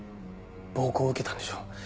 暴行を受けたんでしょ？